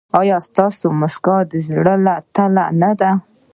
ایا ستاسو مسکا د زړه له تله نه ده؟